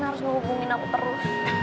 harus menghubungin aku terus